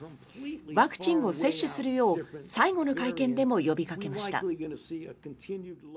ワクチンを接種するよう最後の会見でも呼びかけました。